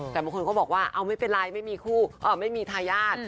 แต่บางคนก็บอกว่าเอาไม่เป็นไรไม่มีคู่ไม่มีทายาท